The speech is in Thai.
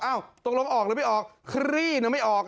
อ้าวตรงนั้นออกหรือไม่ออกครี้หนูไม่ออก